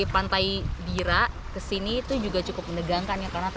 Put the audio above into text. permisi pembiayaan sendiri tidak bergenggakanios bahwa